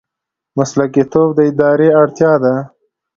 مسلکي توب د ادارې اړتیا ده